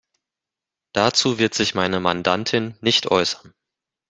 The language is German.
Dazu wird sich meine Mandantin nicht äußern.